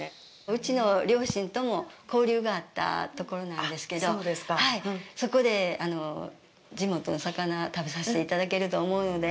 うちの両親とも交流があったところなんですけど、そこで地元の魚を食べさせていただけると思うので。